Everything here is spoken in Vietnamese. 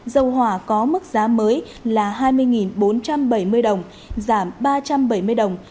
dầu hỏa có mức giá mới là hai mươi bốn trăm bảy mươi đồng giảm ba trăm bảy mươi đồng